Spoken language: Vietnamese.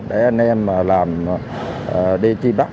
để anh em làm đi chi bắt